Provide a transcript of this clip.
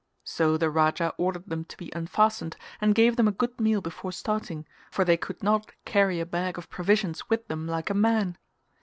So the Raja ordered them to be unfastened and gave them a good meal before starting, for they could not carry a bag of provisions with them like a man.